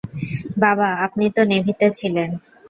বাবা, আপনি তো নেভি তে ছিলেন!